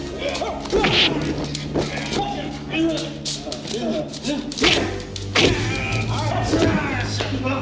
kalau aku berani ngomong begitu